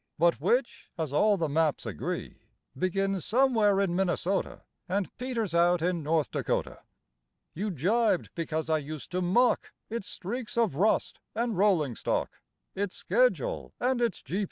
But which, as all the maps agree, Begins somewhere in Minnesota And peters out in North Dakota. You gibed because I used to mock Its streaks of rust and rolling stock, Its schedule and its G.